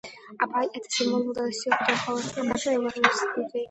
Абай - это символ мудрости, духовного богатства и возвышенных идей.